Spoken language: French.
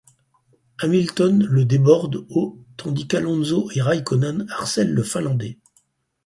Hamilton le déborde au tandis qu'Alonso et Räikkönen harcèlent le Finlandais.